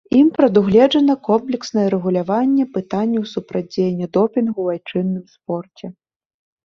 Ім прадугледжана комплекснае рэгуляванне пытанняў супрацьдзеяння допінгу ў айчынным спорце.